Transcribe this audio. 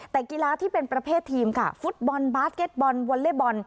แต่กีฬาที่เป็นประเภททีมค่ะฟุตบอลบาสเก็ตบอลวอลเล่บอล